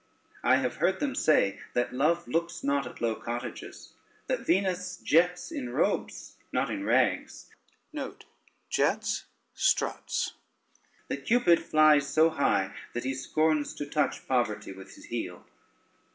I have heard them say, that Love looks not at low cottages, that Venus jets in robes not in rags, that Cupid flies so high, that he scorns to touch poverty with his heel.